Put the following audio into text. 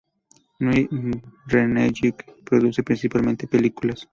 New Regency produce principalmente películas.